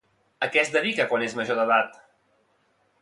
A què es dedica quan és major d'edat?